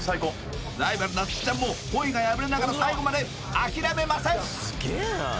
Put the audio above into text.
ライバル夏生ちゃんもポイが破れながら最後まで諦めません！